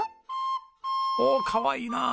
おおかわいいなあ！